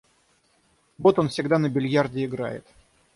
Вот он всегда на бильярде играет.